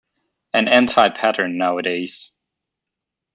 An anti-pattern nowadays.